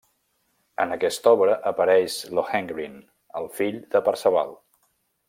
En aquesta obra apareix Lohengrin, el fill de Perceval.